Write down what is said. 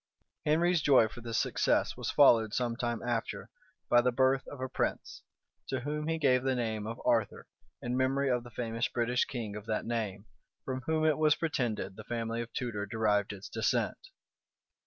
Henry's joy for this success was followed, some time after, by the birth of a prince, to whom he gave the name of Arthur in memory of the famous British king of that name, from whom it was pretended the family of Tudor derived its descent.